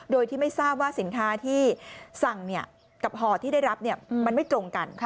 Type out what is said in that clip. โดยที่ไม่ทราบว่าสินค้าที่สั่งกับห่อที่ได้รับมันไม่ตรงกัน